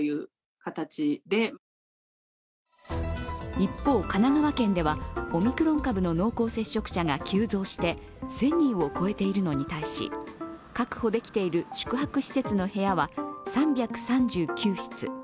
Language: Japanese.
一方、神奈川県では、オミクロン株の濃厚接触者が急増して１０００人を超えているのに対し確保できている宿泊施設の部屋は３３９室。